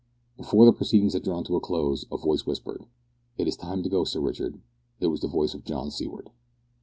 Before the proceedings had drawn to a close a voice whispered: "It is time to go, Sir Richard." It was the voice of John Seaward.